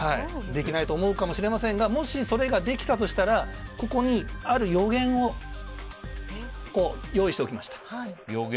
できないと思うかもしれませんがもし、それができたとしたらここに、ある予言を用意しておきました。